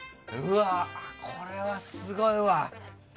これはすごいわ。